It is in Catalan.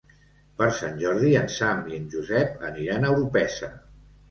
Per Sant Jordi en Sam i en Josep aniran a Orpesa.